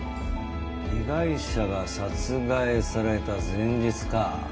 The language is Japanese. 被害者が殺害された前日か。